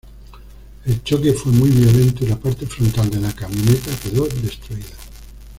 El choque fue muy violento y la parte frontal de la camioneta quedó destruida.